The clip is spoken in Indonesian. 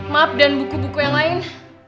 maaf dan buku buku yang lain